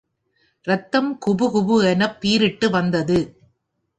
ரத்தம் குபுகுபு எனப் பீறிட்டுவந்தது.